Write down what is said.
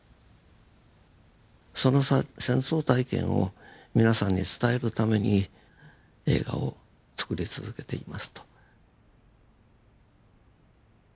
その戦争体験を皆さんに伝えるために映画をつくり続けていますと。